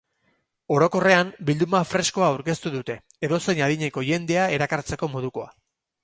Orokorrean, bilduma freskoa aurkeztu dute, edozein adineko jendea erakartzeko modukoa.